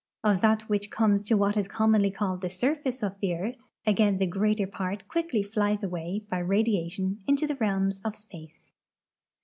Of tliat which comes to what is commonly called the surface of the earth, again the greater i>art quickly flies away by radiation into the realms of space.